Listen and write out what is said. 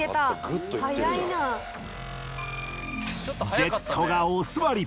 ジェットがおすわり。